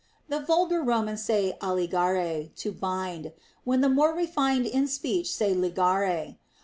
The vulgar Romans say alligare, to hind, when the more refined in speech say ligare.